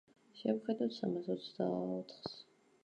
შევხედოთ სამას ოცდაოთხს.